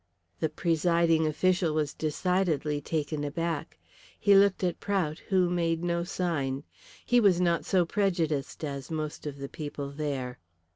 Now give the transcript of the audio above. The presiding official was decidedly taken aback. He looked at Prout, who made no sign. He was not so prejudiced as most of the people there.